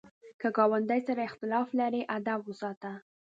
که ګاونډي سره اختلاف لرې، ادب وساته